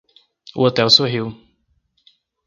O hotel sorriu.